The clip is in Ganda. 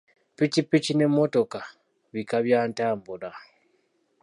Ppikipiki n'emmotoka bika bya ntambula.